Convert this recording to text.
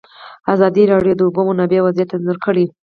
ازادي راډیو د د اوبو منابع وضعیت انځور کړی.